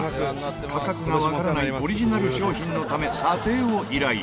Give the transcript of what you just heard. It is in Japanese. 価格がわからないオリジナル商品のため査定を依頼